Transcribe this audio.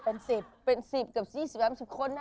เป็นสิบเป็นสิบกับสี่สิบแวะสิบคนนะ